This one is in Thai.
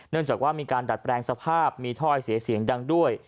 จากว่ามีการดัดแปลงสภาพมีถ้อยเสียเสียงดังด้วย